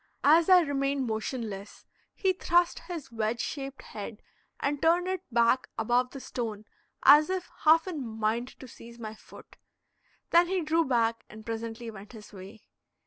As I remained motionless, he thrust his wedge shaped head, and turned it back above the stone as if half in mind to seize my foot; then he drew back, and presently went his way.